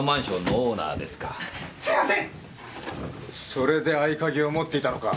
それで合鍵を持っていたのか。